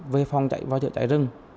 về phòng cháy vào chợ cháy rừng